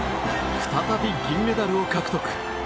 再び銀メダルを獲得。